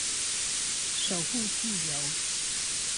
守護自由